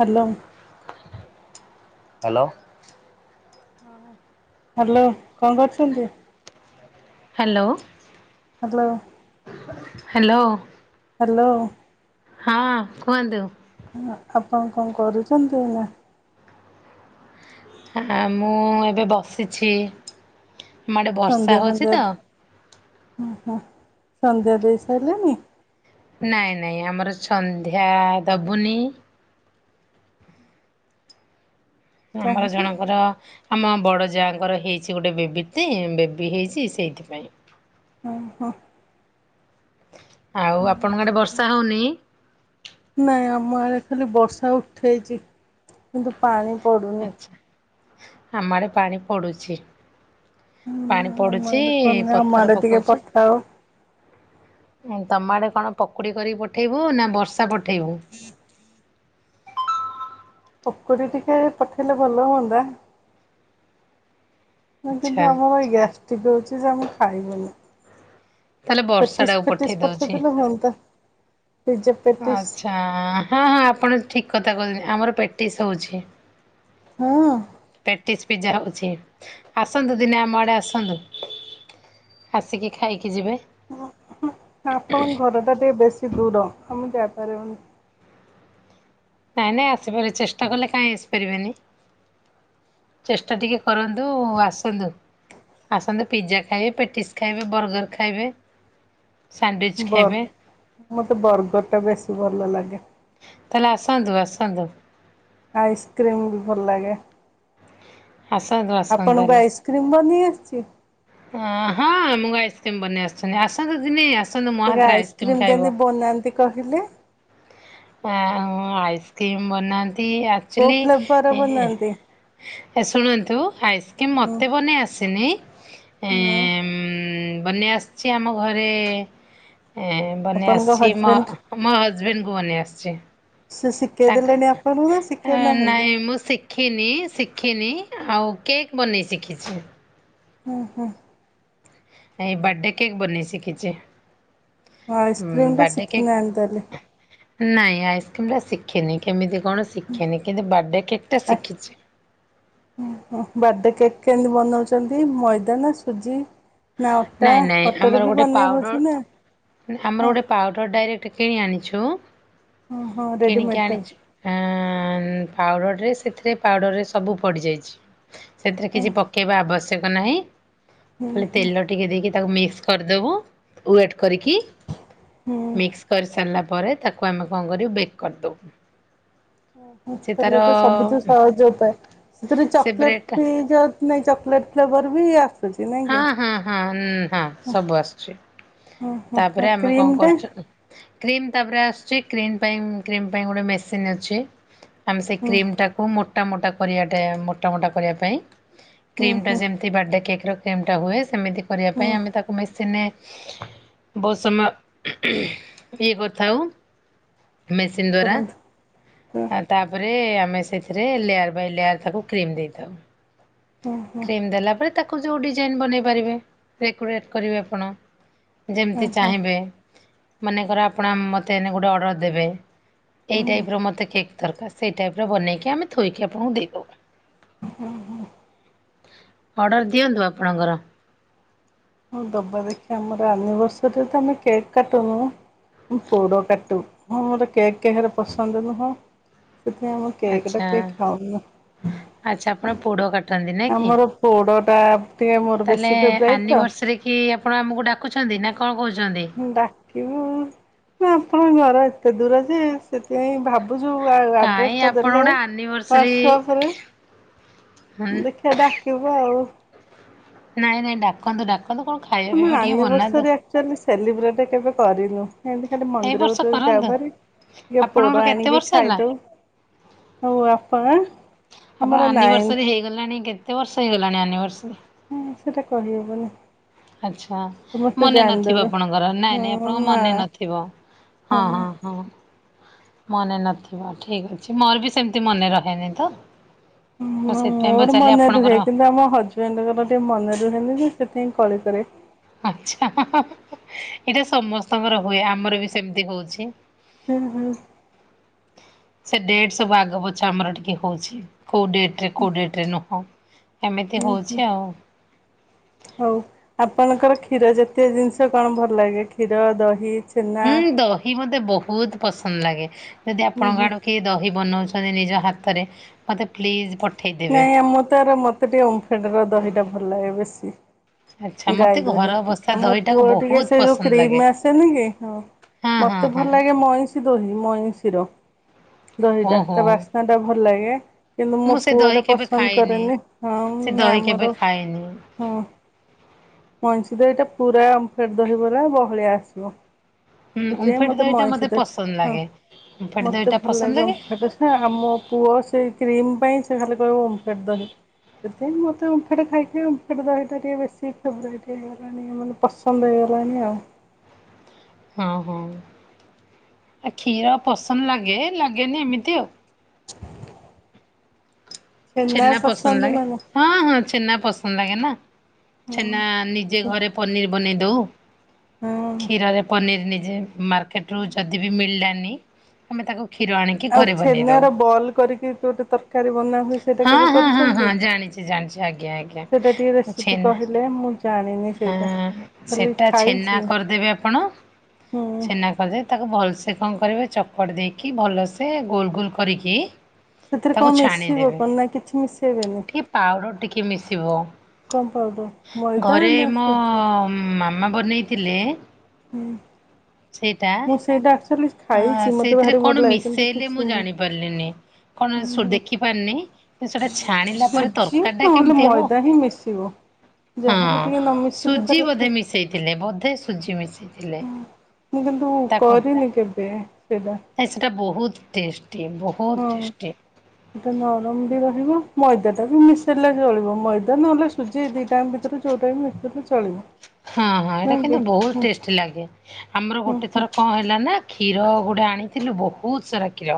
Hello. Hello. Hello କଣ କରୁଛନ୍ତି? Hello. Hello. Hello. Hello. ହଁ କୁହନ୍ତୁ? ଆପଣ କଣ କରୁଚନ୍ତି? ମୁଁ ଏବେ ବସିଛି। ଆମଆଡେ ବର୍ଷା ସନ୍ଧ୍ୟା ହଉଛି ଫନ୍ଧ୍ୟା ତ। ହଁ ହଁ ସନ୍ଧ୍ୟା ଦେଇ ସାରିଲେଣି? ନାଇଁ ନାଇଁ ଆମର ସନ୍ଧ୍ୟା ଦବୁନି। ଆମର କାହିଁକି? ଜଣଙ୍କର ଆମ ବଡ଼ ଯାହାଙ୍କର ହେଇଛି ଗୋଟେ ବେବି ତ ବେବି ହେଇଛି ସେଇଥିପାଇଁ ଓହୋ ଆଉ ଆପଣଙ୍କ ଆଡେ ବର୍ଷା ହଉନି? ନାଇଁ ଆମ ଆଡେ ଖାଲି ବର୍ଷା ଉଠେଇଛି କିନ୍ତୁ ପାଣି ପଡ଼ୁନି। ଆମଆଡେ ପାଣି ପଡୁଛି। ପାଣି ଆମ ପଡୁଛି ଆଡ଼େ ପଡୁନି ଆମ ପଥର ଆଡ଼େ ଟିକେ ପକଉଚି। ପଠାଅ। ତମଆଡ଼େ କଣ ପକୁଡି କରିକି ପଠେଇବୁ ନା ବର୍ଷା ପଠେଇବୁ। ପକୁଡି ଟିକେ ପଠେଇଲେ ଭଲ ହନ୍ତା। ନା ଆଚ୍ଛା କିନ୍ତୁ ଆମରଇ ଗ୍ୟାସ୍ଟିିକ ହଉଚି ଯେ ଆମେ ଖାଇ ବୁନି। ତାହେଲେ ବର୍ଷାଟାକୁ ପେଟିସ ପଠେଇ ଫେଟିସ ଦଉଛି। ପଠେଦେଲେ ହନ୍ତା। ଆଚ୍ଛା ହଁ ହଁ ଆପଣ ଠିକ କଥା କହୁଛନ୍ତି ଆମର ପେଟିସ୍ ହଉଛି। ହଁ ହଁ ପିଜା ହଉଛି ଆସନ୍ତୁ ଦିନେ ଆମ ଆଡ଼େ ଆସନ୍ତୁ। ଆସିକି ଖାଇକି ଯିବେ। ଆପଣଙ୍କ ଘର ଟା ଟିକେ ବେଶୀ ଦୂର ଆମେ ଯାଇପାରିବୁନି। ନାଇଁ ନାଇଁ ଆସିପାରିବ ଚେଷ୍ଟା କଲେ କାହିଁ ଆସିପାରିବେନି। ଚେଷ୍ଟା ଟିକେ କରନ୍ତୁ ଆସନ୍ତୁ। ଆସନ୍ତୁ ପିଜା ଖାଇବେ ପେଟିସ୍ ଖାଇବେ ବର୍ଗର ଖାଇବେ। ସାଣ୍ଡୱିଚ୍ ବର୍ ଖାଇବେ। ମତେ ବର୍ଗର ଟା ବେଶୀ ଭଲ ଲାଗେ। ତାହଲେ ଆସନ୍ତୁ ଆସନ୍ତୁ। ଆଇସ୍କ୍ରିମ ବି ଭଲ ଲାଗେ। ଆସନ୍ତୁ ଆସନ୍ତୁ ଆପଣଙ୍କୁ ଆଇସ୍କ୍ରିମ ବନେଇ ଆସିଚି। ଅ ହଁ ଆମକୁ ଆଇସ୍କ୍ରିମ ବନେଇ ଆସିଛନ୍ତି ଆସନ୍ତୁ ଦିନେ। ଆସନ୍ତୁ ମୋ ଟିକେ ହାତରେ ଆଇସ୍କ୍ରିମ୍ ଆଇସ୍କ୍ରିମ ଖାଇବ। କେମତି ବନାନ୍ତି କହିଲେ। ଆ ଆଇସ୍କ୍ରିମ୍ ବନାନ୍ତି କୋଉ ଆକ୍ଚୁଲି ଫ୍ଲେଭର ଏ ବନାନ୍ତି? ଶୁଣନ୍ତୁ ଆଇସ୍କ୍ରିମ୍ ମୋତେ ବନେଇ ଆସିନି ମୁଁ ଏଁ ବନେଇ ଆସିଛି ଆମ ଘରେ ବନେଇ ଆପଣଙ୍କ ଆସିଛି ମ ହଜବେଣ୍ଡ ମ ହଜବେଣ୍ଡକୁ ବନେଇ ଆସିଚି ସେ ଶିଖେଇ ତାଙ୍କୁ ଦେଲେଣି ଆପଣଙ୍କୁ ନା ଶିଖେଇ ନାହାନ୍ତି ନାଇଁ ମୁଁ ଶିଖିନି ଶିଖିନି ଆଉ କେକ ବନେଇ ସିଖିଛି। ହୁଁ ହୁଁ, ଏ ବାର୍ଥଡେ କେକ୍ ବନେଇ ଶିଖିଛି। ହଁ ଆଇସ୍କ୍ରିମ ଟା ବାର୍ଥଡ଼େ କେକ୍ ଶିଖିନି ଆଣୁତାଲି। ନାଇଁ ଆଇସକ୍ରିମ ରା ଶଖିନି କେମିତି କଣ ଶିଖିନି କିନ୍ତୁ ବାଥଡେ ବର୍ଡେ କେକ କେମିତି ବନଉଚ? ଛନ୍ତି ମଇଦା ନା ସୁଜି। ନା ଅଟା ନାଇଁ ନାଇଁ ଅଟାରେ ଆମର ବି ଗୋଟେ ବନେଇ ହଉଛି ନା ପାଉଡର ଆମର ହଁ ଗୋଟେ ପାଉଡର ଡାଇରେକ୍ଟ ଟେ କିଣି ଆଣିଛୁ ହଁ ହଁ କିଣିିକି ରେଡିମେଡଟା ଆଣିଛି ଆଁ ଆଁ ପାଉଡ଼ରରେ ସେଥିରେ ପାଉଡ଼ରରେ ସବୁ ପଡ଼ିଯାଇଛି ସେଥିରେ ହଁ କିଛି ପକେଇବା ଆବଶ୍ୟକ ଛେକ ନାହିଁ। ହୁଁ ହୁଁ, ଇଏ ଦେଇକି ତାକୁମିକ୍ସ କରିଦବୁ ୱେଟ କରିକିି ହୁଁ ମିକ୍ସ କରିିସାରିଲା ପ ପରେ ତାକୁ ଆମେ କଣ କରିବୁ ବେକ କରିଦେବୁ। ଉଁ ସେ ତାର ତେଲେ ତ ସବୁଠୁ ସହଜ ଉପାୟ ସେଥିରେ ସେ ଚକୋଲେଟ ବ୍ରେଡ଼ଟା ବିଁ ଜ ନାହିଁ ଚକୋଲେଟ ଫ୍ଲେବର ବି ଆସ ହଁ ହଁ ହଁ ନ ହଁ ସବୁ ଆସୁଛି। ହଁ ହଁ ଆଉ ତାପରେ ଆମେ କଣ କ୍ରିମଟା କରୁଛୁ କ୍ରିମ ତାପରେ ଆସୁଛି କ୍ରିମ ପାଇଁ କ୍ରିମ ପାଇଁ ଗୋଟେ ମେସିନ ଅଛି ଆମେ ସେଇ ହୁଁ କ୍ରିମ ଟାକୁ ମୋ ମୋଟା ମୋଟା କରିବାଟେ ମୋଟା ମୋଟା କରିବା ପାଇଁ ହୁଁ କ୍ରିମ ଟା ହୁଁ ଯେମିତି ବାର୍ଥଡେ କେକ୍ ର କ୍ରିମ ଟା ହୁଏ ସେମିତି କରିବା ପାଇଁ ହୁଁ ଆମେ ତାକୁ ମେସିନେରେ ବହୁତ ସମୟ ହୁଁ ହୁଁ ଇଏ କରିଥାଉ। ମେସିନ୍ ଦ୍ଵାରା, କରନ୍ତୁ ହୁଁ ଆଉ ତାପରେ ଆ ସେଥିରେ ଲେୟାର ବାଇ ଲେୟାର ତାକୁ କ୍ରୀମ ଦେଇଥାଉ, ହୁଁ ହୁଁ କ୍ରିମ ଦେଲା ପରେ ତା ତାକୁ ଯୋଉ ଡିଜାଇନ ବନେଇ ପାରିବେ ଡେକୋରେଟ କରିବେ ଆପଣ। ହଁ ଯେମିତି ହଁ ଚାହିଁବେ ମନେକର ଆପଣ ମୋତେ ଏନ ଗୋଟେ ଅର୍ଡ଼ର ଦେବେ ଏଇ ଟାଇପ ର ମତେ କେକ୍ ଦରକାର, ସେଇ ଟାଇପ ର ବନେଇକି ଆମେ ଥୋଇକି ଆପଣଙ୍କୁ ଦେଇଦବୁ। ହଁ ହଁ ଅର୍ଡର ଦିଅନ୍ତୁ ଆପଣଙ୍କର। ହଁ ଦବା ଦେଖିବା ଆମର ଆନିଭର୍ସରୀରେ ତ ଆମେ କେକ୍ କାଟୁନୁ। ପୋଡ଼ କାଟୁ, ହଁ ମୋର କେକ୍ କାହାର ପସନ୍ଦ ନୁହଁ। ଏ ଆମ କେକ ଟା ଆଚ୍ଛା କେହି ଖାଉନା। [unintelligible] ଟା ଟିକେ ମୋର ବେଶୀ ତାଲେ ଫେବରାଇଟ ତ ଆନଭର୍ସରୀ କି ଆପଣ ଆମକୁ ଡାକୁଛନ୍ତି ନା? କଣ କହୁଛନ୍ତି? ଡାକିବୁ ନା ଆପଣଙ୍କ ଘର ଏତେ ଦୂର ଯେ, ସେଥିପାଇଁ ଭା ବୁଝୁ କାଇଁ ଆଡ୍ରେସ ଟା ଆପଣ ଦେଲେ ଗୋଟେ ଆନିଭର୍ସରୀ ହ୍ୱାଟ୍ସସପ ରେ ହୁଁ ଦେଖିବା ଡାକିବୁ ଆଉ। ନାଇଁ ନାଇଁ ଡାକନ୍ତୁ ଡା ଆମ ଆନିଭର୍ଶରି ଆକଚୁଆଲି ସେଲିବ୍ରେଟ କେବେ କରିନୁ। ଏମତି ଖାଲି ଏଇ ବର୍ଷ ମନ୍ଦିରକୁ କରନ୍ତୁ ଯାଉଭାରି ଟିକେ ଆପଣଙ୍କର ପୋଡ କେତେ ଆଣିକି ବର୍ଷ ହେଲା? ଖାଇଦଉ। ଆଉ ଆପଣ? ଆପଣ ଆମର ଆନିଭର୍ସରୀ ନାଇନ୍ଥ ହେଇଗଲାଣି କେତେ ବର୍ଷ ହେଇଗଲାଣି ଆନ ହୁଁ ସେଟା କହି ହବନି। ଆଛା ମନେ ନଥିବ ଆପଣଙ୍କର, ନାଇଁ ନାଇଁ ହଁ ଆପଣଙ୍କ ମା ମନେ ନଥିବ। ହଁ ହଁ ହଁ। ମନେ ନଥିବ ଠିକ ଅଛି, ମୋର ବି ସେମତି ମନେ ରହେନି ତ। ମୁଁ ସେଥିପାଇଁ ମୋ-ମୋର ପଚାରିଲି ମନେ ରୁହେ, ଆପଣଙ୍କର କିନ୍ତୁ ଆମ ହଜବେଣ୍ଡଙ୍କର ଟିକେ ମନେ ରୁହେ ରୁହେ ସେଥିପାଇଁ କଳି କରେ। ଆଛା ଏଇଟା ସମସ୍ତଙ୍କର ହୁଏ, ଆମର ବି ସେମିତି ହଉଛି। ହୁଁ ହୁଁ। ସେ ଡେଟ୍ ସବୁ ଆଗ ପଛ ଆମର ଟିକେ ହଉଛି। କୋଉ ଡେଟରେ କୋଉ ଡେଟରେ ନୁହଁ, ଏମିତି ହୁଁ ହୁଁ ହଉଛି ଆଉ। ହଉ ଆପଣଙ୍କର କ୍ଷୀର ଜାତୀୟ ଜିନିଷ କଣ ଭଲ ଲାଗେ, କ୍ଷୀର, ଦହି ଛେନା? ହୁଁ ଦହି ମତେ ବହୁତ ପସନ୍ଦ ଲାଗେ ଯଦି ହୁଁ ଆପଣଙ୍କ ହୁଁ ଆଡୁ କିଏ ଦହି ବନଉଛି ନିଜ ହାତରେ ମତେ ପ୍ଲିଜ୍ ପଠେଇଦେବେ। ନାଇଁ ଆମ ତର ମତେ ଟିକେ ଓମ୍ଫେଡ ର ଦହିଟା ଭଲ ଲାଗେ ବେଶୀ। ଆଚ୍ଛା ଗାଈ ମତେ ଦହି ଘର ବସା ଅପେକ୍ଷା, ମୋ ଦହିଟାକୁ ପୁଅ ଟିକେ ବହୁତ ସେ ଯୋଉ ପସନ୍ଦ କ୍ରିମ ଲାଗେ। ଆସେନି କି ହଁ ହଁ ହଁ ମତେ ଭଲ ହଁ ଲାଗେ ମଇଁ ଦହି ମଇଁଶିର ଦହିଟା ଓହୋ ତା ବାସ୍ନା ଟା ଭଲ ଲାଗେ। କିନ୍ତୁ ମୋ ମୁଁ ସେ ପୁଅ ଦହି ଟା କେବେ ପସନ୍ଦ ଖାଇନି। କରେନି, ହଁ ସେ ନା ଦହି କେବେ ଆମର ଖାଇନି ହଁ। ମଇଶି ଦହିଟା ପୁରା ଓମ୍ଫେଡ ଦହି ଭଳିଆ ବହଳିଆ ଆସିବ। ହୁଁ ସେଥିପାଇଁ ଓମ୍ଫେଡ ମତେ ଦହିଟା ମଇଁଷି ଦହି ଟା ପସନ୍ଦ ହଁ। ଲାଗେ। ଓମ୍ଫେଡ ମତେ ଦହିଟା ଭଲ ପସନ୍ଦ ଲାଗେ ଓମ୍ଫେଡ୍ ର ଜେ ଆମ ପୁଅ ସେ କ କ୍ରିମ ପାଇଁ ସେ ଖାଲି କହିବ ଓମ୍ଫେଡ ଦହି। ସେଥି ପାଇଁ ମତେ ଓମ୍ଫେଡ ଖାଇ ଖାଇ ଓମ୍ଫେଡ ଦହିଟା ଟିକେ ବେଶୀ ଫେବ୍ରାଇଟ ହେଇଗଲାଣି, ମାନେ ପସନ୍ଦ ହେଇ ଗଲାଣି ଆଉ। ହଁ ହଁ ଆ କ୍ଷୀର ପସନ୍ଦ ଲାଗେ, ଲାଗେନି ଏମିତି ଆଉ। ଛେନା ପସନ୍ଦ ଲାଗେ ହଁ ହଁ। ଛେନା ପସନ୍ଦ ଲାଗେ ନା ଛେନା ନିଜେ ହଁ ଘରେ ପନିର ବନେଇ ଦଉ ହଁ। କ୍ଷୀରରେ ପନିର ନିଜେ ମାର୍କେଟ ରୁ ଯଦି ବି ମିଳିଲାନି ଆମେ ତାକୁ କ୍ଷୀର ଆଣିକି ଆଉ ଘରେ ବନେଇ ଛେନା ଦଉ। ର ବଲ୍ କରିକି ଗୋଟେ ତରକାରୀ ବନା ହୁଏ ସେଟା ହଁ କେବେ ହଁ ହଁ ହଁ କରିଛନ୍ତି ଜାଣିଛି ଜାଣିଛି ଆଜ୍ଞା ଆଜ୍ଞା ସେଟା ଟିକେ ରେସିପି ଛେନା କହଲେ ମୁଁ ଜାଣିନି ହଁ ସେଇଟା ଖାଲି ସେଟା ଛେନା ଖାଇଛି କରିଦେବେ ଆପଣ। ହୁଁ। ଛେନା କରିଦେବେ ତାକୁ ଭଲସେ କଣ କରିବେ ଚକଟି ଦେଇକି ଭଲସେ ଗୋଲ ଗୋଲ କରିକି ସେଥିରେ ତାକୁ କଣ ମିଶିବ ଛାଣିଦେବି କଣ ନା କିଛି ମିଶେଇବେନି ଟିକେ ପାଉଡର ଟିକେ ମିଶିବ। କମ୍ ପାଉଡର ମଇ ଘରେ ମୋ ମାମା ବନେଇଥିଲେ। ହୁଁ ମୁଁ ସେଇଟା ଆକ୍ଚୋଲି ଆ ସେଇଥିରେ କଣ ମିଶେଇଲେ ମୁଁ ହୁଁ ଜାଣି ପାରିଲିନି। କଣ ସୁ ହୁଁ ଦେଖି ପାରିନି କିନ୍ତୁ ସେଟା ଛାଣିଲା ପରେ ସୁଜି ତରକାରୀ ଟା ନହେଲେ କେମିତି ହବ ମଇଦା ହିଁ ମିଶିବ। ହଁ ଯାହାହେଲେ ଟିକେ ନ ମିଶିଲେ ସୁଜି ତାର ବୋଧେ ମିଶେଇଥିଲେ ବୋଧେ ସୁଜି ମିଶେଇ ହଁ ମୁଁ କିନ୍ତୁ କରିନି କେବେ। ସେଇଟା ଆ ସେଟା ବହୁତ ଟେଷ୍ଟ୍। ହଁ ଏଟା ନରମ ବି ରହିବ। ମଇଦାଟା ବି ମିଶାଇେ ଚଳିବ ମଇଦା ନହେଲେ ସୁଜି ଦିଇ ଟାଙ୍କ ଭିତରୁ ଯେଉଟା ବି ମିଶାଇଲେ ଚଳିବ। ହଁ ହଁ ଏଇଟା ନୁହେଁ କିନ୍ତୁ କି? ବହୁତ ହୁଁ ଟେଷ୍ଟି ଲାଗେ ଆମର ହୁଁ ଗୋଟେ ହୁଁ ଥର କଣ ହେଲା ନା କ୍ଷୀର ଗୋଟେ ଆଣିଥିଲୁ ବହୁତ ସାରା କ୍ଷୀର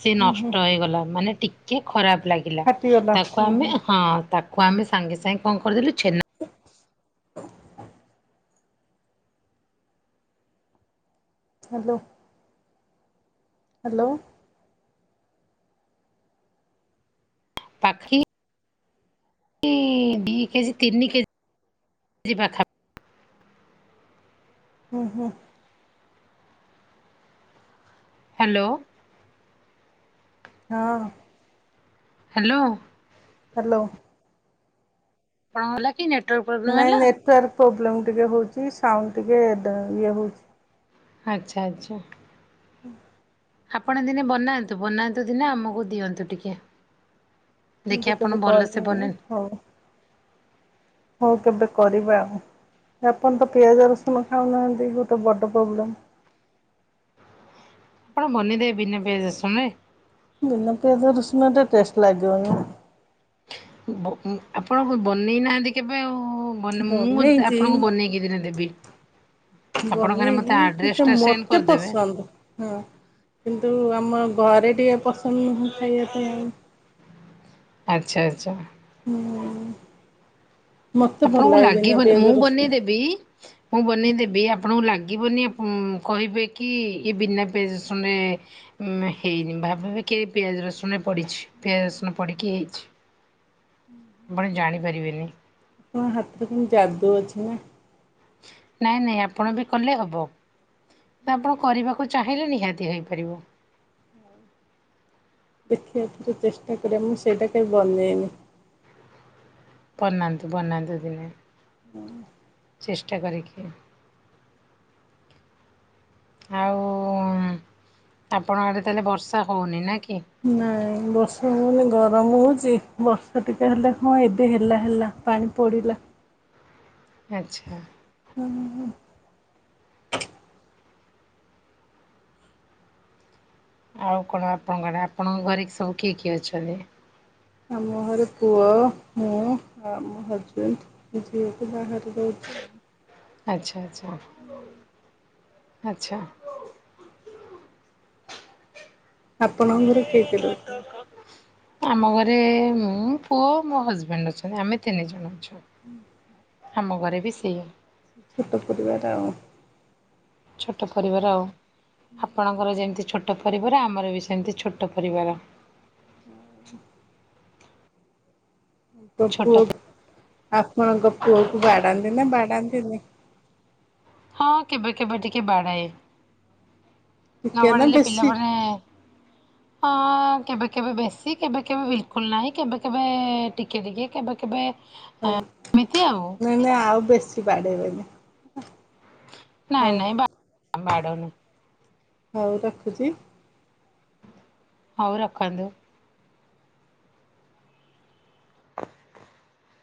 ସେ ନଷ୍ଟ ହୋଇଗଲା ମାନେ ଟିକେ ଖରାପ ଲାଗିଲା ଫାଟିଗଲା ତାକୁ ହୁଁ ଆମେ ହୁଁ ହଁ ତାକୁ ଆମେ ସାଙ୍ଗେ ସାଙ୍ଗେ କଣ କରିଦେଲି ଛେନା। ହାଲୋ। ହାଲୋ। ପାକ୍ଷି। ଇ ଦି କେଜି ତିନି କେଜି ପାଖା ହୁ ହୁ। ହ୍ଯାଲୋ। ହଁ। ହାଲୋ। ହାଲୋ। ପ [unintelligible] ନାଇଁ ନେଟୱାର୍କ ପ୍ରୋବ୍ଲେମ୍ ଟିକେ ହଉଛି ସାଉଣ୍ଡ ଟିକେ ଡା ଇଏ ହଉଛି। ଆଚ୍ଛା ଆଚ୍ଛା। ହୁଁ ଆପଣ ଦିନେ ବନାନ୍ତୁ ବନାନ୍ତୁ ଦିନେ ଆମକୁ ଦିଅନ୍ତୁ ଟିକେ। ମୁଁ ତ ଦେଖି କେବେ ଆପଣ ଭଲସେ କରିନି ବନେ ହଉ ହଉ କେବେ କରିବା ଆଉ। ଆପଣ ତ ପିଆଜ ରସୁଣ ଖାଉନାହାନ୍ତି ଗୋଟେ ବଡ ପ୍ରୋବ୍ଲେମ୍। ଆପଣ ବନେଇ ଦେବେ ବିନା ପିଆଜ ରସୁନ ରେ। ବିନା ପିଆଜ ରସୁଣ ରେ ଟେଷ୍ଟ ଲାଗିବନି। ବ ଉଁ ଆପଣ ବନେଇ ନାହାନ୍ତି କେବେ ଆଉ। ହୁଁ ବନ ମୁଁ ବନେଇଛି ଆପଣଙ୍କୁ ବନେଇକି ଦିନେ ଦେବି। ଆପଣ ଖାଲି ମୋତେ ବନେଇକି ଟିକେ ଆଡ୍ରେସଟା ସେଣ୍ଡ ମତେ କରିଦେବେ। ପସନ୍ଦ ହୁଁ। କିନ୍ତୁ ଆମ ଘରେ ଟିକେ ପସନ୍ଦ ନୁହଁ ଖାଇବା ପାଇଁ ଆଉ। ଆଚ୍ଛା ଆଚ୍ଛା। ମତେ ଭଲ ଆପଣଙ୍କୁ ଲାଗେ ଲାଗି ବିନା ବ ପିଆଜ ମୁଁ ରସୁଣ ବନେଇ ଦେବି ମୁଁ ବନେଇ ଦେବି ଆପଣଙ୍କୁ ଲାଗି ଲାଗିବନି ଆପ ଉଁ କହିବେ କି ଇଏ ବିନା ପିଆଜ ରସୁନ ରେ ଉଁ ହେଇନି ଭାବିବେ କିଏ ପିଆଜ ରସୁନେ ପଡ଼ିଛି ପିଆଜ ରସୁଣ ପିକି ହେଇଛି। ହ ଆପଣ ଜଣି ପାରି ବେନି ତୁମ ହାତରେ କଣ ଯାଦୁ ଅଛି ନା ନାଇଁ ନାଇଁ ଆପଣ ବି କଲେ ହବ। ଆପଣ କରିବାକୁ ଚାହିଁଲେ ନିହାତି ହେଇପାରିବ। ହୋଉ। ଦେଖିବାକୁ ଏଥର ଚେଷ୍ଟା କରିବା ମୁଁ ସେଇଟା କେବେ ବନେଇନି ବନାନ୍ତୁ ବନାନ୍ତୁ ଦିନେ [unintelligible] ଚେଷ୍ଟା କରିକି। ଆଉ ଆପଣ ଆଡେ ତାହେଲେ ବର୍ଷା ହୋଉନି। ନା କି? ନାଇଁ ବର୍ଷା ହୋଉନି ଗ ଗରମ ହୋଉଚି। ବର୍ଷା ଟିକେ ହେଲେ ହଁ ଏବେ ହେଲା ହେଲା ପାଣି ପଡିଲା। ଆଛା। [unintelligible] ଆଉ କଣ ଆପଣଙ୍କର? ଆପଣଙ୍କ ଘରେ ସବୁ କିଏ କିଏ ଅଛନ୍ତି? ଆମ ଘରେ ପୁଅ, ମୁଁ, ଆଉ ଆମ ହଜବେଣ୍ଡ, ଝିଅଟି ବାହାରେ ରହୁଛି। [unintelligible] ଆଛା ଆଛା ଆଛା। ଆପଣଙ୍କର କିଏ କିଏ ରୋହୁଛନ୍ତି? ଆମ ଘରେ ମୁଁ, ପୁଅ, ମୋ ହଜବେଣ୍ଡ ଅଛନ୍ତି। ଆମେ ତିନି ଜଣ ଅଛୁ। ହୁଁ। ଆମ ଘରେ ବି ସେଇଆ। ଛୋଟ ପରିବାର ଆଉ। ଛୋଟ ପରିବାର ଆଉ। ଆପଣଙ୍କର ଯେମତି ଛୋଟ ପରିବାର। ଆମର ବି ସେମିତି ଛୋଟ ପରିବାର। [unintelligible] ପୁଅକୁ ଛୋଟ ଆପଣଙ୍କ ପୁଅକୁ ବାଡାନ୍ତି ନା ବାଡାନ୍ତିନି? ହଁ କେବେ କେବେ ଟିକେ ବାଡାଏ। ଟିକେ ନା ନବାଡ଼ିଲେ ବେଶୀ? ପିଲାମାନେ ହଁ -କେବେ କେବେ ବେଶୀ, କେବେ କେବେ ବିଲକୁଲ୍ ନାହିଁ। କେବେ କେବେ ଟିକଏ ଟିକଏ କେବେ କେବେ ହୋଉ ଏମିତି ଆଉ ନହେଲେ ଆଉ ବେଶୀ ବାଡେଇବେନି। ନାଇଁ ନାଇଁ ବା ବାଡୋଉନି। ହୋଉ ରଖୁଚି। ହୋଉ ରଖନ୍ତୁ।